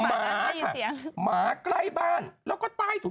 หมาค่ะแม่ใกล้บ้านแล้วคือตายถูก